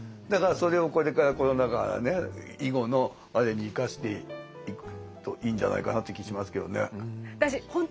だからそれをこれからコロナ禍以後のあれに生かしていくといいんじゃないかなって気しますけどね。